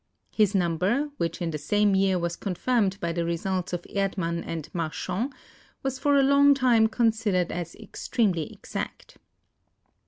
His number, which in the same year was confirmed by the results of Erd mann and Marchand, was for a long time considered as extremely exact.